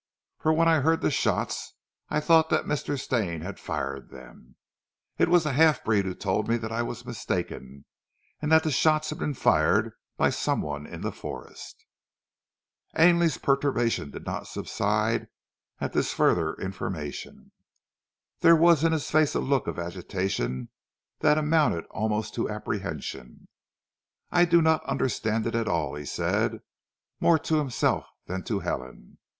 For when I heard the shots I thought that Mr. Stane had fired them; it was the half breed who told me that I was mistaken, and that the shots had been fired by some one in the forest." Ainley's perturbation did not subside at this further information. There was in his face a look of agitation that amounted almost to apprehension. "I do not understand it at all," he said, more to himself than to Helen.